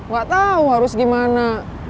gak tau harus gimana